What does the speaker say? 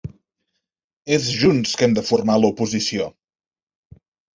És junts que hem de formar l’oposició.